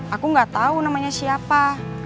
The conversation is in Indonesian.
aku gak tau namanya siapa